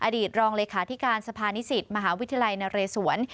อดีตรองเลยค่ะที่การสภานิสิตมหาวิทยาลัยณรสวน